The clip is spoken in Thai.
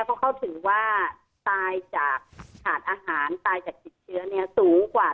เพราะเขาถือว่าตายจากขาดอาหารตายจากติดเชื้อสูงกว่า